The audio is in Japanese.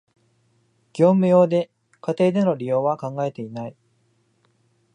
業務用で、家庭での利用は考えてない